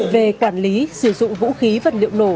về quản lý sử dụng vũ khí vật liệu nổ